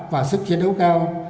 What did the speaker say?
và sức chiến đấu cao